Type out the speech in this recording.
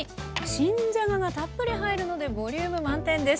新じゃががたっぷり入るのでボリューム満点です。